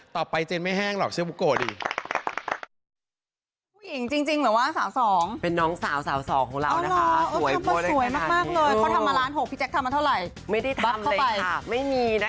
ต่อไปเจนไม่แห้งหรอกเชื่อปุ๊กโก้ดิ